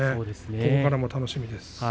これからも楽しみです。